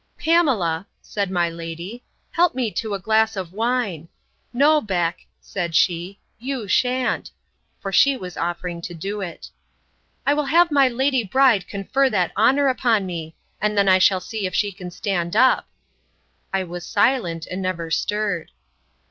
Pamela, said my lady, help me to a glass of wine. No, Beck, said she, you shan't; for she was offering to do it. I will have my lady bride confer that honour upon me; and then I shall see if she can stand up. I was silent, and never stirred.